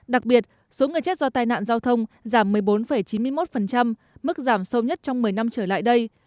đặc biệt số người chết do tai nạn giao thông giảm một mươi bốn chín mươi một mức giảm sâu nhất trong một mươi năm trở lại đây